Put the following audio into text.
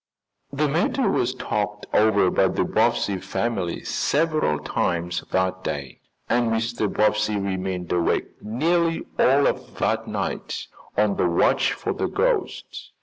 The matter was talked over by the Bobbsey family several times that day, and Mr. Bobbsey remained awake nearly all of that night, on the watch for the ghost.